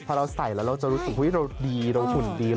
พอเราใส่และเราจะรู้สึกว่าเราดีเราฉุนดี